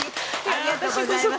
ありがとうございます。